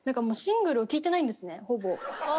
もう、シングルを聴いてないんですね、ほぼ。